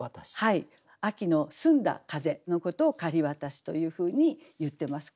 秋の澄んだ風のことを「雁渡し」というふうにいってます。